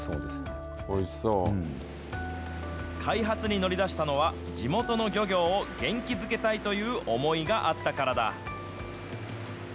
開発に乗り出したのは、地元の漁業を元気づけたいという思いがあったからだ。